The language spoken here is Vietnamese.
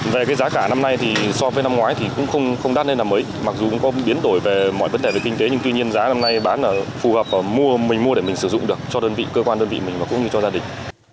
về cái giá cả năm nay thì so với năm ngoái thì cũng không đắt nên là mới mặc dù cũng có biến đổi về mọi vấn đề về kinh tế nhưng tuy nhiên giá năm nay bán là phù hợp và mình mua để mình sử dụng được cho đơn vị cơ quan đơn vị mình và cũng như cho gia đình